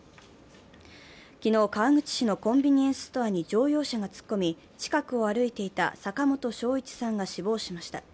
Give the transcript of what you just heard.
昨日、川口市のコンビニエンスストアに乗用車が突っ込み、近くを歩いていた坂本正一さんが死亡しました。